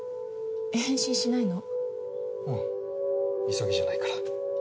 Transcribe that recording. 急ぎじゃないから。